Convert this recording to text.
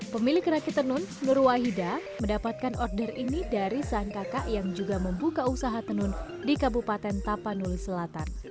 pemilik rakit tenun nur wahida mendapatkan order ini dari sang kakak yang juga membuka usaha tenun di kabupaten tapanuli selatan